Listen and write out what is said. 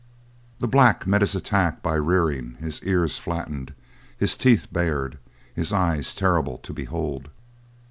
The black met this attack by rearing, his ears flattened, his teeth bared, his eyes terrible to behold.